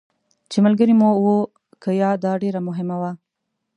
چې ملګري مو وو که یا، دا ډېره مهمه وه.